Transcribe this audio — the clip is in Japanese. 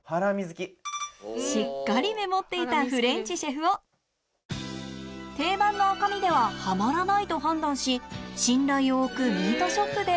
しっかりメモっていたフレンチシェフ男定番の赤身ではハマらないと判断し信頼を置くミートショップで